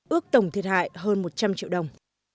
ước tổng thiệt hại hơn một trăm linh triệu đồng